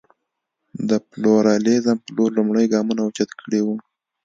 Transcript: د پلورالېزم په لور لومړ ګامونه اوچت کړي وو.